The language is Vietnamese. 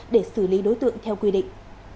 để xử lý đối tượng theo quy định